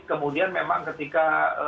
kemudian memang ketika